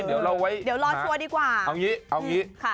เดี๋ยวเราไว้นะงี้